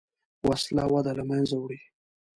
وسله وده له منځه وړي